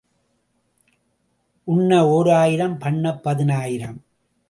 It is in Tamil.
உன்ன ஓராயிரம் பன்னப் பதினாயிரம்.